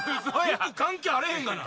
服関係あれへんがな。